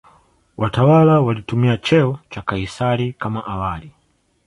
Watawala walitumia cheo cha "Kaisari" kama awali.